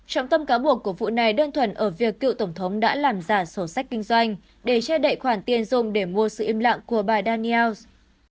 trọng tâm cáo buộc của vụ này đơn thuần ở việc cựu tổng thống đã làm giả sổ sách kinh doanh để che đậy khoản tiền dùng để mua sự im lặng của bà daniels